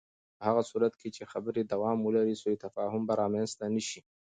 په هغه صورت کې چې خبرې دوام ولري، سوء تفاهم به رامنځته نه شي.